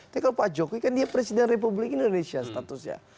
tapi kalau pak jokowi kan dia presiden republik indonesia statusnya